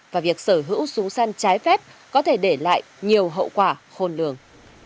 và việc sở hữu súng săn trái phép có thể để lại nhiều hậu quả khôn lường